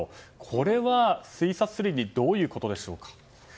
これは推察するにどういうことでしょうか。